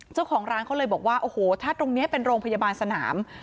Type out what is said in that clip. เจ้าของร้านเขาเลยบอกว่าโอ้โหถ้าตรงนี้เป็นโรงพยาบาลสนาม